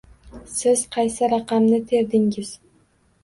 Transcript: Siz qaysi raqamni terdingiz?